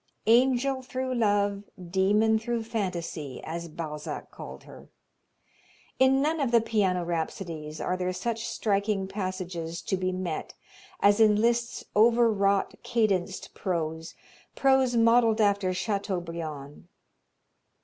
"Angel through love, demon through fantasy," as Balzac called her. In none of the piano rhapsodies are there such striking passages to be met as in Liszt's overwrought, cadenced prose, prose modelled after Chateaubriand.